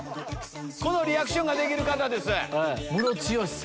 このリアクションができる方です。